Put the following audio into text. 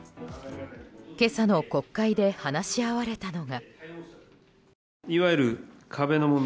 今朝の国会で話し合われたのが。